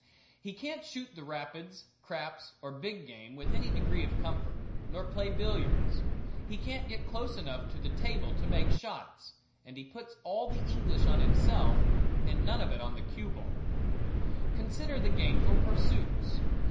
He can't shoot rapids, craps or big game with any degree of comfort; nor play billiards. He can't get close enough to the table to make the shots, and he puts all the English on himself and none of it on the cue ball. Consider the gainful pursuits.